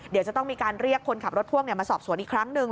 เดี๋ยวจะต้องมีการเรียกคนขับรถพ่วงมาสอบสวนอีกครั้งหนึ่ง